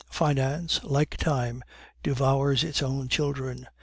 Finance, like Time, devours its own children.